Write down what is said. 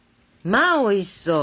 まあおいしそう！